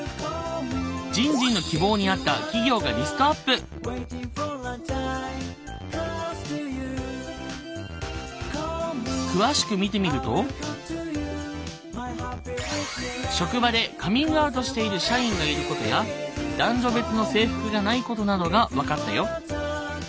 じんじんの詳しく見てみると職場でカミングアウトしている社員がいることや男女別の制服がないことなどが分かったよ。